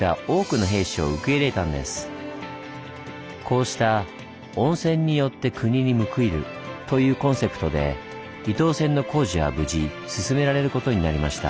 こうした「温泉によって国に報いる」というコンセプトで伊東線の工事は無事進められることになりました。